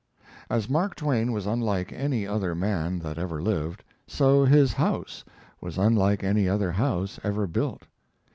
As Mark Twain was unlike any other man that ever lived, so his house was unlike any other house ever built.